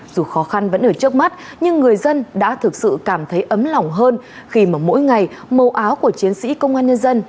dù khó khăn vẫn ở trước mắt nhưng người dân đã thực sự cảm thấy ấm lòng hơn khi mà mỗi ngày màu áo của chiến sĩ công an nhân dân